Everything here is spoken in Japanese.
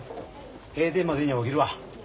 閉店までには起きるわ。